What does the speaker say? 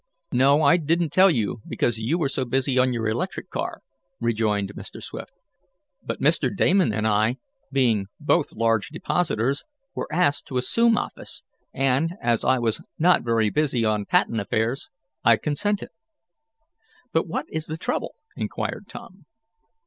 "No, I didn't tell you, because you were so busy on your electric car," rejoined Mr. Swift. "But Mr. Damon and I, being both large depositors, were asked to assume office, and, as I was not very busy on patent affairs, I consented." "But what is the trouble?" inquired Tom.